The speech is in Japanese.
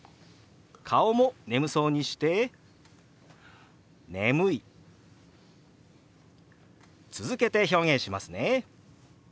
顔も眠そうにして「眠い」。続けて表現しますね。